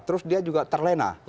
terus dia juga terlena